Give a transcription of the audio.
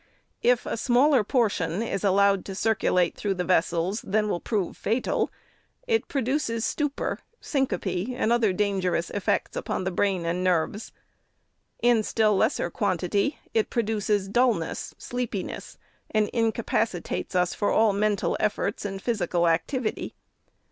If a smaller portion is allowed to circulate through the vessels than will prove fatal, it produces stupor, syncope, and other dangerous effects upon the brain and nerves. In still less quantity, it produces dulness, sleepiness, and incapacitates us for all mental efforts and physical activity.